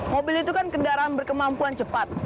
mobil itu kan kendaraan berkemampuan cepat